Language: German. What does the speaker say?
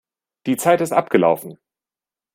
Die Zeit ist abgelaufen.